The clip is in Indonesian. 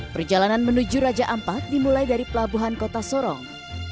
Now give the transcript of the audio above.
perjalanan menuju raja ampat dimulai dari pelabuhan kota sorong